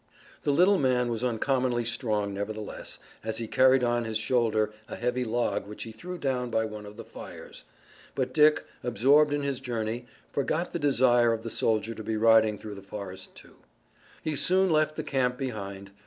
The little man was uncommonly strong nevertheless, as he carried on his shoulder a heavy log which he threw down by one of the fires, but Dick, absorbed in his journey, forgot the desire of the soldier to be riding through the forest too. He soon left the camp behind.